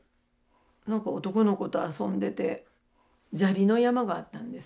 何か男の子と遊んでて砂利の山があったんですね。